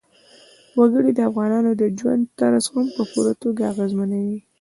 وګړي د افغانانو د ژوند طرز هم په پوره توګه اغېزمنوي.